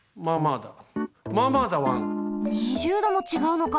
２０℃もちがうのか！